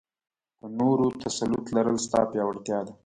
په نورو تسلط لرل؛ ستا پياوړتيا ده.